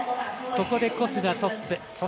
ここでコスがトップ